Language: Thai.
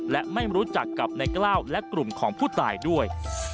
และไม่รู้จักกับนายกล้าวและกลุ่มของผู้ตายด้วย